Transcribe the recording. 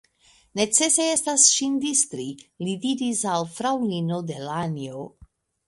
Necese estas ŝin distri, li diris al fraŭlino Delanjo.